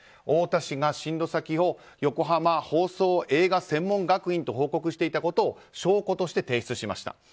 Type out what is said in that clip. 太田氏が進路先を横浜放送映画専門学院と報告していたことを証拠として提出しました